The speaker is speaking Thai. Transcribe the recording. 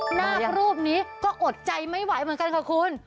นาครูปนี้ก็อดใจไม่ไหวเหมือนกันค่ะคุณ